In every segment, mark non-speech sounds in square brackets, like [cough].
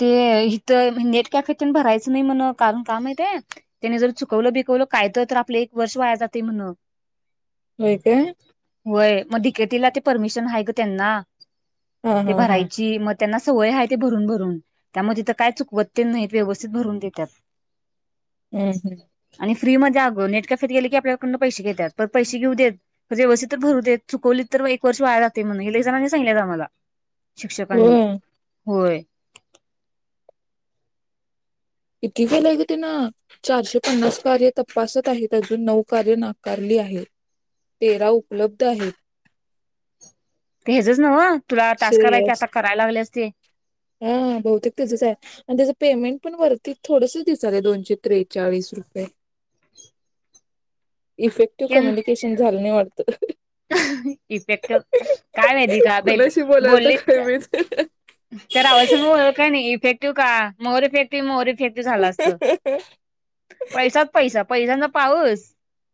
ते इथं net cafe त न भरायचं नाही म्हण कारण का माहय त्याने जर चुकवलं बिकवलं काय तर तर आपलं एक वर्ष वाया जाते म्हण होय काय? [unintelligible] परमिशन आहे ग त्यांना हा ते हा हा भरायची मग त्यांना सवय आहे ते भरून भरून त्यामध्येथ काय चुकव ते नाही व्यवस्थित भरून देतात हम्म हम्म फ्री मध्ये आग नेट कॅफेत गेले क आपल्याकडून पैसे घेतात पैसे घेऊ देत व्यवस्थित तर भरू देत चुकवलीत तर एक वर्ष व वाया जाते म्हणून हे एक जणांनी सांगलंय आ मला शिक्षकांनी होय होय इती केलाय ग ते ना चारशे पन्नास कार्य तपासत आहेत अजून नऊ कार्य नाकारली आहे तेरा उपलब्ध आहेत ते हेजच नव तुला टाास कराय ते श्रेयस आता करायला लागलेस हा बहुतेक तझच आहे आणि त्याच पेमेंट पण वरती थोडस दिसले दोनशे त्रेचाळीस रुपये इफेक्टिव्ह कम्युनिकेशन झालं नाही वाटत ह इफेक्ट काय माहिती का ब कुणाशी बोलाल तर बोललीत काय माहित तर अवस का नाही फेटू का मोरी फेट मोरी ती झालं असत पैसाच पैसा पैशांचा पाऊस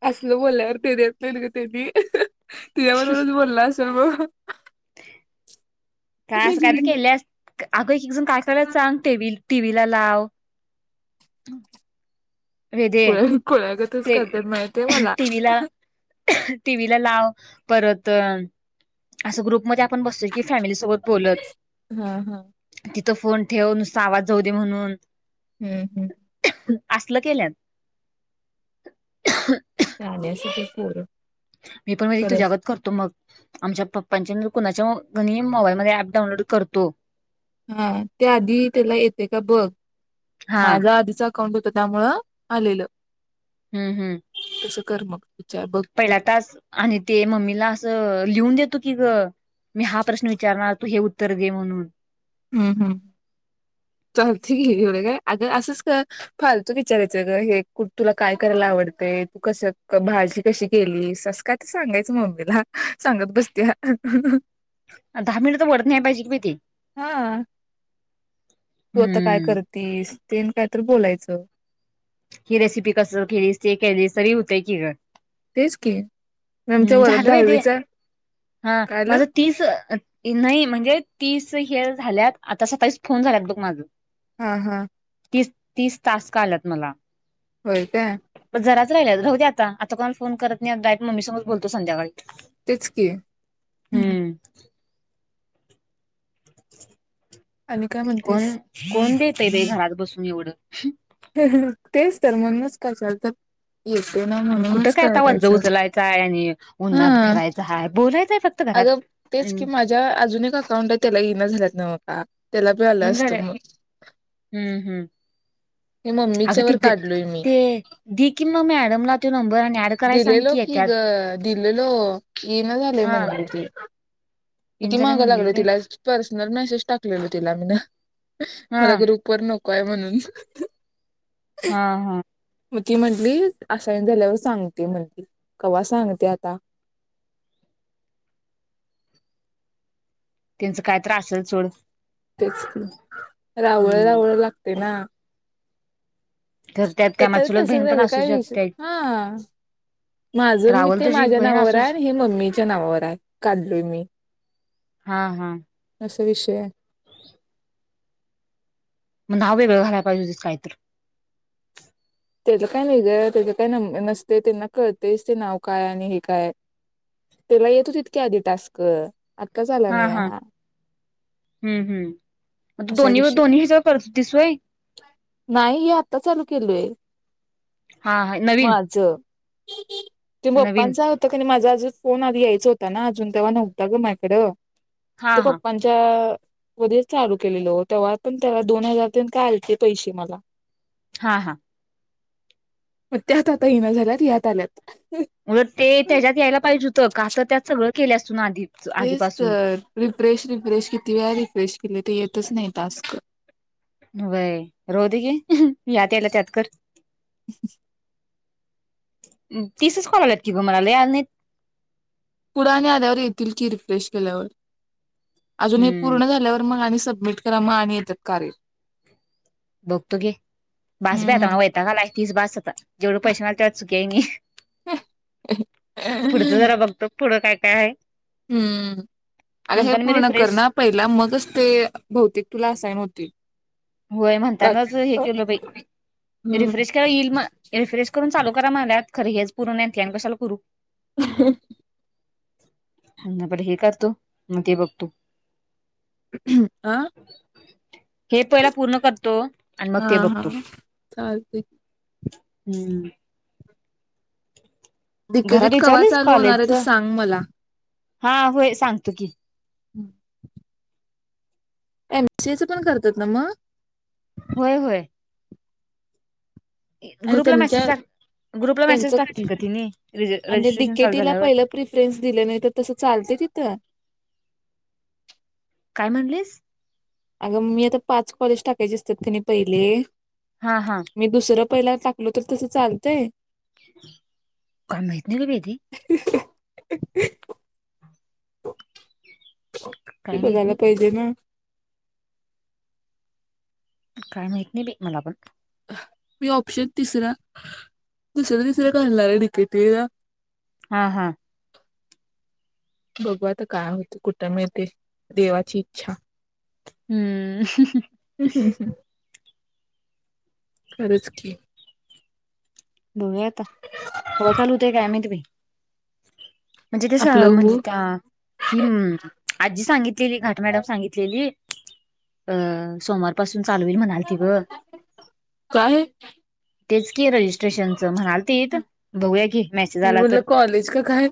असल बोलावर तेरीेतलं ग तेी तूझ्यावरबरच बोललास च काय असं काय तू केलेस अगो एक एकजून काय करायला सांग टबल टी व ला लाव वेदे खुळ्या खुल्यागत कस ते करत्यात माहितेया मला टीव्ही ला लाव परत अस ग्रुप मध्ये आपण बसतोय की फॅमिली सो बत हा हा बोलतं. फोन ठेव नुसं आवाज जाऊ दे म्हणून हूं हूं असलं केल्यात [inaudible] ह्यावेळेस अस पोर मी पण म्हणजे तुझ्यागत करतो मग आमच्या पप्पांच्या नाय रत कुणाच्या मोबाईलमध्ये ऍप डाऊनलोड करतो. हा त्या आधी त्याला येते का बघ हा माझ्या आधीचा अकाउंट होत त्यामुंळ आलेलं हूं हूं तसं कर मग विचार बघ पहिला टास्क आणि ते मम्मीला असं लिहून देत की ग मी हा प्रश्न विचारणार तू हे उत्तर दे म्हणून हम् हम् चालती [unintelligible] एवढ काय अगं असंच का फालतू विचारायचं ग हे कुठ तुला काय करायला आवडतं तू कस भाळची कशी केलीस काय ते सांगायचं मम्मीला सांगत बसते. दहा मिनट त वडत न्याय पाहिज की ते हा तू आता काय हम्म करतीस? तेन काय तर बोलायचं. ही रेसिपी कसं केलीस ती केलीस तरी होतय की ग तेच की आमच्या वरात झालं व ते दहावीच हा काय यालं? माझं तीस नाही म्हणजे तीस हे झाल्यात आता सतावीस फोन झाल्यात बघ माझं हा हा. तीस तीस टास्क आल्यात मला. होय काय किती राहिलेत राहू दया आता कोणाला फोन करत नाही डायरेक्ट मम्मी संग बोलतो संध्याकाळी. तेच की हम्म आणि काय [inaudible] म्हणतीस कोण कोण बी ते बी घरात बसून एवढं तेच तर म्हणूनच कशाला तर येते ना आणि कुठं म्हणूनच काय तवा ओझर करायचं उचलायचा आणि उन्हात हा फिरायचं हाय बोलायचंय फक् अगं तेच की माझ्या अजून एक अकाउंट आहे त्याला येईना झाल्यात नव्ह. हां. येईना झालंय, हुं हुं. हे अग मम्मीच्या वर दिदे काढलोय मी ते दे कि मग मॅडमला ते नंबर आणि ऍड कराय सांग दिलेलो की ग, त्यात दिलेलो ये ना, झालंय हा म्हणाली ती इन किती झाले मागं म्हणली लागलोय होय तिला [unintelligible] पर्सनल मॅसेज टाकलेलो तिला मी न. हा मला ग्रुप वर न को हाय म्हणून? हा हा. म ती म्हंटली, असाइन झाल्यावर सांगती म्हणली, कवा सांगती आता त्यांचं काय तर असल सोड. तेच कि रावळ हम्म रावळ लागते ना त्यात तर काय माझी तरी चुलत तसंच बहीण पण झालं असू काय विषय शकते हा माझं मी रावल ते तुझी माझ्या बहीण नावावर असू आहे हे मम्मी च्या नावावर आहे काढलोय मी. हा हा. असा विषय आहे. [inaudible] मग नाव वेगळं घालायला पाहिजे, होतीस काही तर तेज काय नाही गं त्याच काय न नसतयं त्यांना कळतेयच ते नाव काय आणि हे काय हाय, त्याला येत होतेत कि आधी टास्क. आताच आला नाही हा. ह हम. म असा दोन्ही विषय दोन्ही ह्याच्यावर करत होतीस होय. नाही हे आत्ता चालू केलंय. हा हा नवीन. [unintelligible] ते नवीन पप्पांच होतं कणी माझ अजून फोन आधी यायचं होता ना, अजून तेव्हा नव्हता गं माझ्याकडं. हा तो हा पप्पानंच्या अ हु दे चालू. केलेलो तेव्हा, पण तेव्हा दोन हजार काय तेन आलते पैसे मला. हां हां. मग त्यात आता येईना झाल्यात यात आल्यात. मग ते त्याज्यात यायला पाहिजे होतं का तर त्यात सगळं केल्यास तेच तर रिफ्रेश रिफ्रेश किती वेळा रिफ्रेश केलं ते येतंच नाही टास्क. होय राहूदे घे यात याल्यात यात कर. [inaudible] अम्म तीसच कॉल आल्यात की गं मला लय आलं नाहीत. पुढे आणि आल्यावर येतील की रिफ्रेश केल्यावर अजून हे हम्म पूर्ण झाल्यावर मग सबमिट करा मग आणि येतात कार्य बघतो घे बास बाई आता हम्म. वयतांग आलंय तीस बास आता जेवढे पैसे मिळाल्यात ते सुखी आहे मी पुढचं जरा बघतो पुढं काय काय आहे हम्म अगं हे म्हणताना मी पूर्ण कर रिफ्रेश ना पहिला मगच ते बहुतेक तुला असायन होतील होय म्हणतानाच हे केलं बाई हम्म. रिफ्रेश करून येईल म रिफ्रेश करून चालू करा म्हणात खरच हेच पूर्ण नाही ते आणि कशाला करू ह पण हे करतो मग ते बघतो आह हे पूर्ण करतो आणि मग हा ते हा बघतो चालतंय. हम्म ह घरात डिकेटीत कवा विचारलीस चालू होणार आहे कॉलेजच ते सांग मला. हा होय सांगतो की हम् एमएससीचं पण करतात ना मग होय होय आणि ग्रुपला त्यांच्या मेसेज टाक ग्रुपला त्यांच मेसेज टाकतील का तिने रजि आणि रजिस्ट्रेशन चालू डिकेटीला झाल्यावर पहिलं प्रिफरन्स दिलं नाही तर तसं चालते तिथं काय म्हणलीस अगं मी आता पाच कॉलेज टाकायचे असते कनी पहिले हा हा पहिल्याला टाकलो तर तसं चालतय का माहिेत नाही का ब त [unintelligible] ते काय माहित बघायला नाही पाहिजे ना काय माहत नाही बे मला पण मी ऑप्शन तिसरा दुसरं तिसरं घालणार आहे टिकीटला हा हा बघू आता काय होत कुठं मिळ ते देवाची इच्छा हम्म अश अशे कर्ज की डो आता ह चालूते काय आमी तुमही म्हणजे ते आपलं म्हणजे हो त्या ही आजी सांगितलेली घाट मॅडम सांगितलेली अ सोमवारपासून चालू होईल म्हणाल ग काय तेच क रजिस्ट्रेशन च म्हणाल त बघूया की मॅसेज मी आला म्हटलं तर कॉलेज का काय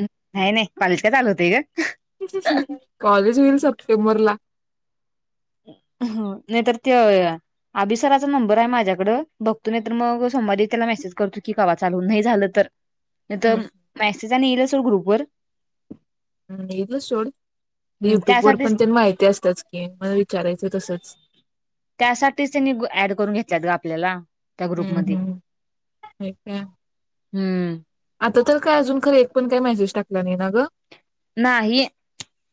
नाही नाही पालक्या चालू होतय ग कॉलेज होईल सप्टेंबरला नाही तरर ते अभि सराचा नंबर आहे माझ्याकड बघतो नाही तर मग सोमवारी त्याला मेसेज करतो की कावा चालवून नाही झालं तर नाही तर हम्म, मेसेज येईलच ग्रुपर हम्म इल सोड युट्यूब वर पण त्यासाठीच ते माहिती असतात की म विचारायचं तसंच त्यासाठीचनी ऍड करून घेतल्यात ग आपल्याला त्या हम्म ग्रुपमध्ये हम्म ठीक आहे हम्म आता तर काय अजून खर एक पण काय मेसेज टाकला नाही ना गं नाही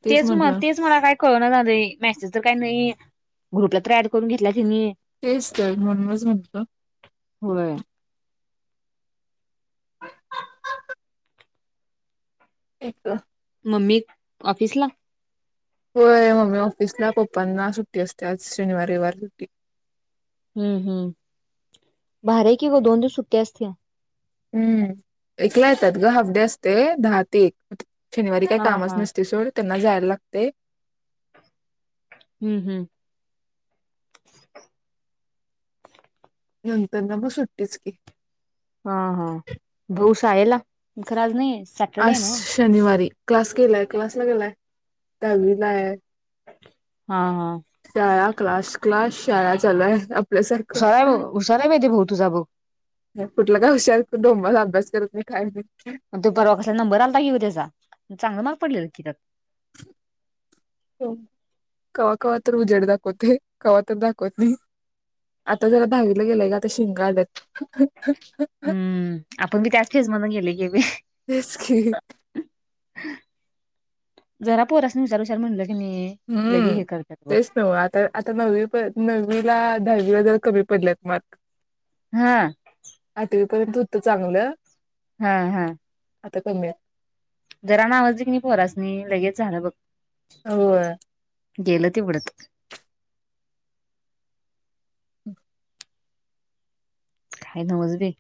तेच म म्हटलं. तेच मला काय कळण नाही मेसेजच काही नाही ग्रुपला तर ड करून घेतला तिनी तेच तर म्हणमच म्हणत होय एक मम्मी ऑफिसला होय मम्मी ऑफिसला पापा ना सुट्टी असते आज शनिवार रविवार सुट्टी हम्म हम्म भार कि ग दोन दिव सुट्ट्या असते हम्म एकला येतात ग हफ्डे असते दहा ते एक शनिवारी काय हा कामच हा नसते सोड त्यांना जायला लागते हम्म हम्म नंतर ना ब सुट्टीच की खरज नाही सॅटर्डे आहे अश नव्ह शनिवारी क्लास केलाय क्लासला गेलाय दवीलाय हा हा त्या क्लास क्लास शाळा चालूय हुशार आहे आपल्यासारखं भाऊ, हुशार आहे बाई ते भाऊ तुझा बघ कुठल्या गावसारखं डोम मला अभ्यास करत नाही खाय मग तो परवा कसा नंबर आलाता घेऊ त्याचा चांगला मग पडल्याला कि कवा्हा कवा्हा तर उजेड दाखवते कव्हा तर दाखवत नाही आता जरा दधावीला गेलंय का आता शिंगा आल्यात हम्म आपण बी त्याच फेज मध गेले गे मी तेच की जरा पोरास्नी हुशार हुशार म्हण हम्म तेच नव आता आता नवी प नवीला दहावी जर कमी पडल्यात मर्क हा पर्यंत होता चांगलं हा हा आता कम आहे जराना आवाजिक नाही पोरासनी लगेच झालं बघ हो गेलं ते उडत हम् [inaudible] खाय नवच बाई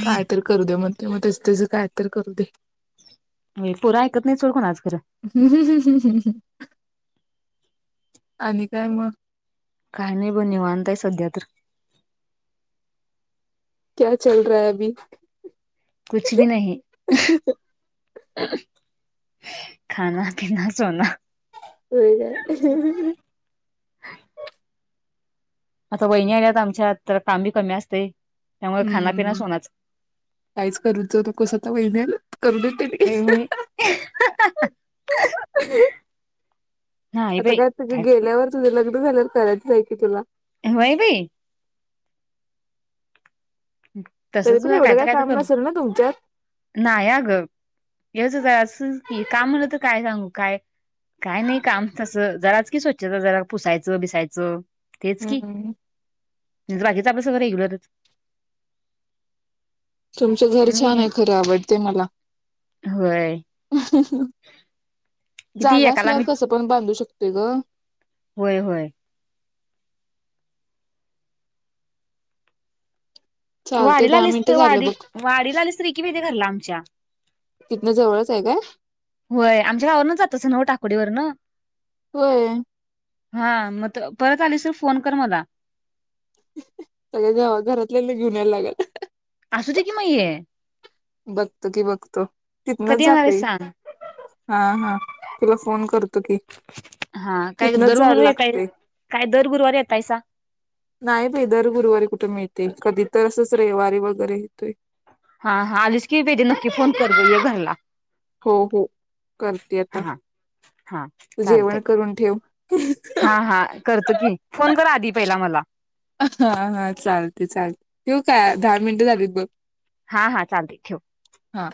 काय तररी करू दे म्हण तेंवा त्याच त्याचं काय तर करू दे बाई पोरं ऐकत नाही सोड कोणाच खरं ह हम् हम् हम् हम् आणि काय मग काही नाही ब निवतय सध्या तर क चल रहाय अभी कुछ भी नाही खाना पिना सोना हो ग ह आता वहिणी आल्यात आमच्यात तर काम बी कमी असते हम्म काहीच करूच नकोसता महिन्या करू देत त्यांनी होय होय नाही आता बाई काय गेल्यावर तुझ्याला झाल्या करायच आहे की तुला वई भ तरी तसच पण एवढं कायच काय तर काम कर नसेल ना तुमच्यात नाही अ ग यायचं जराच की काम म्हलं तर काय सांगू काय काय नाही काम तसं जराच की स्वच्छ जरा पुसायचं बिसायचं हम्म न बाकीचं आपलं सगळं रेग्युलरच तुमच घर मी छान आहे खरं आवडते मला होय हो किती जागा एकाला असल्यावर मी कसं पण ब चालू शकते ग होय होय चालते वारी दहा लालत मिनिटं वा झालं बघ वढ लाली स्त्री की ब आमच्या तिथनं जवळच आहे काय होय आमच्या गावावरन जात असं नऊ टाकोडीवरन होय हा मग परत आलीसर फोन कर मला सगळ जेव्हा घरातल्या घेऊनयला लागल असू दे की म ये बघत कि बघतो कधी तिथनच येणार आहे जातय सांग हा हा ला फोन कर हा काय दर गुरुवारी येतय लागते काय दर गुरुवारी येता यस नाही भ दर गुरुवारी कुठे मिळते कधी तर असंच रविवारी वगैरे येतोय हाा आलीच की पेरी नक्की फोन कर ब घरला हो हो करते हा हा आताू जेवण चालतय करून ठेव हा हा करतो की फोन कर आधी पहिला मला हा हा चालते चालते तेव काय दहा मिनटं झालीत बघ हा हा चालतय ठेव हा